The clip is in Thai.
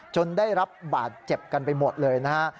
ได้รับบาดเจ็บกันไปหมดเลยนะฮะ